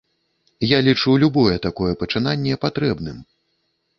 Я лічу любое такое пачынанне патрэбным.